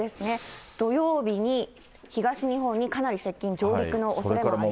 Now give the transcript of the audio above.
土曜日に東日本にかなり接近、上陸のおそれもあります。